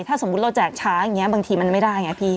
ถ้าสมมุติเราแจกช้าอย่างนี้บางทีมันไม่ได้ไงพี่